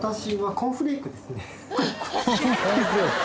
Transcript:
コーンフレーク。